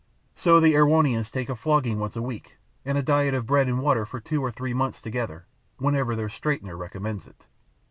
So the Erewhonians take a flogging once a week, and a diet of bread and water for two or three months together, whenever their straightener recommends it.